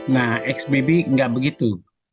nah xbb nggak begitu